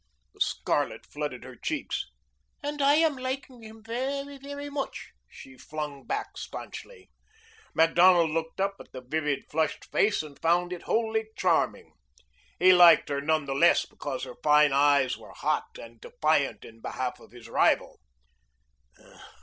The scarlet flooded her cheeks. "And I am liking him very, very much," she flung back stanchly. Macdonald looked up at the vivid, flushed face and found it wholly charming. He liked her none the less because her fine eyes were hot and defiant in behalf of his rival.